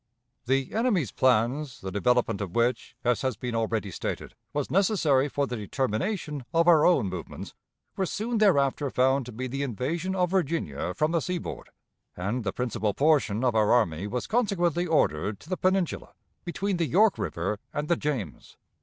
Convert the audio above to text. The enemy's plans, the development of which, as has been already stated, was necessary for the determination of our own movements, were soon thereafter found to be the invasion of Virginia from the seaboard, and the principal portion of our army was consequently ordered to the Peninsula, between the York River and the James.